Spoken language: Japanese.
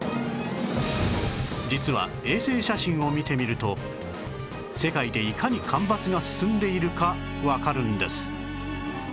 実は衛星写真を見てみると世界でいかに干ばつが進んでいるかわかるんです